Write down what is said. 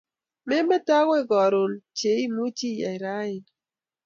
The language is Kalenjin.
memete akoi karon che imuchi iyai raini